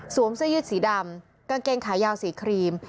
เสื้อยืดสีดำกางเกงขายาวสีครีม